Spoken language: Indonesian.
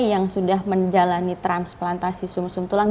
yang sudah menjalani transplantasi sum sum tulang